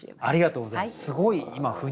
ありがとうございます。